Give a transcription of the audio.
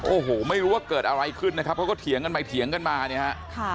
โอ้โหไม่รู้ว่าเกิดอะไรขึ้นนะครับเขาก็เถียงกันไปเถียงกันมาเนี่ยฮะ